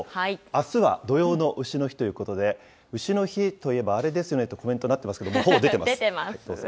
あすは土用のうしの日ということで、うしの日といえばあれですよねとコメントになってますけども、ほぼ出てます。